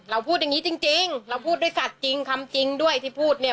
พูดอย่างนี้จริงเราพูดด้วยสัตว์จริงคำจริงด้วยที่พูดเนี่ย